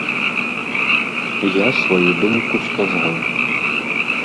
Я сваю думку сказаў.